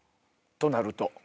となると。